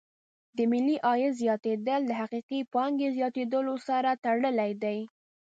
د ملي عاید زیاتېدل د حقیقي پانګې زیاتیدلو سره تړلې دي.